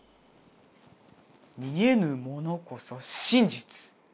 見えぬものこそ真実！